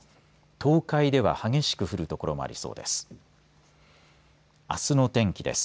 東海では激しく降る所もありそうです。